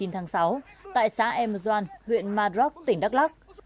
một mươi chín tháng sáu tại xã em doan huyện madrock tỉnh đắk lắc